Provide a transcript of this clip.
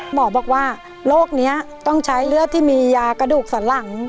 หมอบอกว่าโรคนี้ต้องใช้เลือดที่มียากระดูกสันหลัง